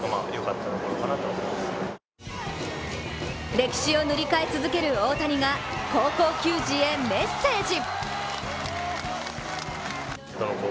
歴史を塗り替え続ける大谷が高校球児へメッセージ。